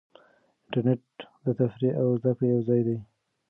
انټرنیټ د تفریح او زده کړې یو ځای دی.